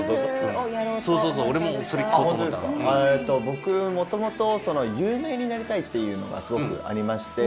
僕もともと有名になりたいっていうのがすごくありまして。